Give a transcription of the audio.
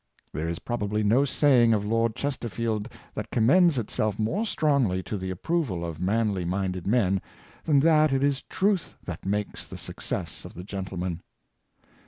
There is probably no saying of Lord Chesterfield that commends itself more strongly to the approval of manly minded men, than that it is truth that makes the success of the gentleman.